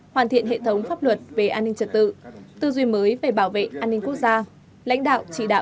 hoàn thiện hệ thống pháp luật về an ninh trật tự tư duy mới về bảo vệ an ninh quốc gia